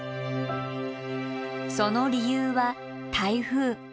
その理由は台風。